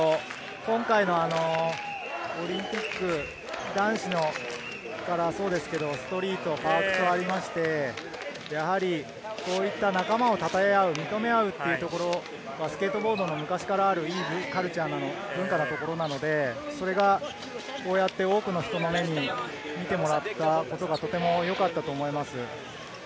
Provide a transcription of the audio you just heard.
今回のオリンピック、男子からそうですが、ストリート、パークとありまして、こういった仲間を称え合う、認め合うというところ、スケートボードの昔からある、いいカルチャー、文化のところなので、それがこうやって多くの人の目に見てもらったことがとてもよかったと思います。